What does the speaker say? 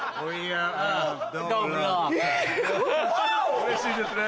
うれしいですね。